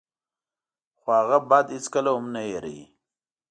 خو هغه بد هېڅکله هم نه هیروي.